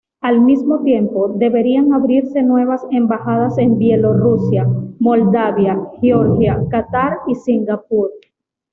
Al mismo tiempo, deberían abrirse nuevas embajadas en Bielorrusia, Moldavia, Georgia, Qatar y Singapur.